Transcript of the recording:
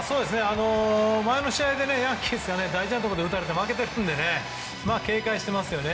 前の試合でヤンキースが大事なところで打たれて負けているので警戒していますよね。